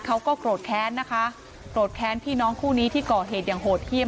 เขาก็โกรธแค้นนะคะโกรธแค้นพี่น้องคู่นี้ที่ก่อเหตุอย่างโหดเยี่ยม